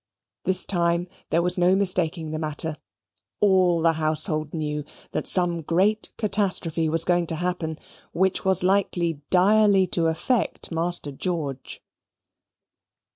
This time there was no mistaking the matter; all the household knew that some great catastrophe was going to happen which was likely direly to affect Master George.